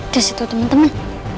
ke situ teman teman